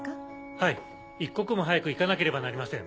はい一刻も早く行かなければなりません。